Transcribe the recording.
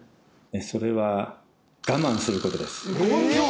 それは我慢することですえ！